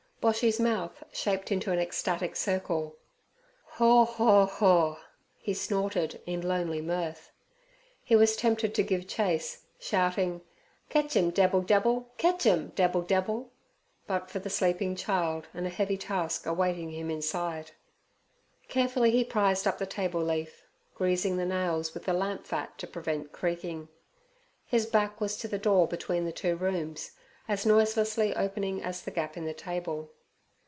Boshy's mouth shaped into an ecstatic circle. 'Hor, hor, hor!' he snorted in lonely mirth. He was tempted to give chase, shouting, 'Ketch 'em, Debbil debbil! ketch 'em, Debbil debbil!' but for the sleeping child and a heavy task, awaiting him inside. Carefully he prised up the table leaf, greasing the nails with the lamp fat to prevent creaking. His back was to the door between the two rooms, as noiselessly opening as the gap in the table.